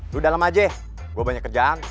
lu dalem aja gue banyak kerjaan